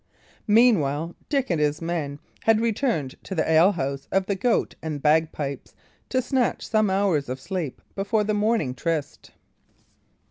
Meanwhile, Dick and his men had returned to the ale house of the Goat and Bagpipes to snatch some hours of sleep before the morning tryst.